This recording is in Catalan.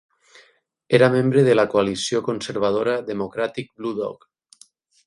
Era membre de la coalició conservadora Democratic Blue Dog.